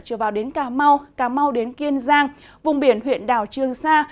trở vào đến cà mau cà mau đến kiên giang vùng biển huyện đảo trương sa